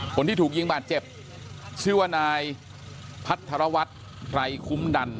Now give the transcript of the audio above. คนที่ถูกยิงบาดเจ็บชื่อว่านายพัทรวัตรไพรคุ้มดัน